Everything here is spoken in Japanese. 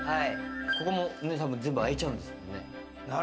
これも全部開いちゃうんですよね？